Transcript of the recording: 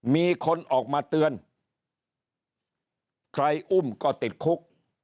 มีคนออกมาเตือนใครอุ้มก็ติดคุก